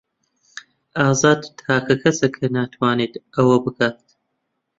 ئازاد تاکە کەسە کە ناتوانێت ئەوە بکات.